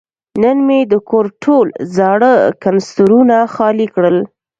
نن مې د کور ټول زاړه کنسترونه خالي کړل.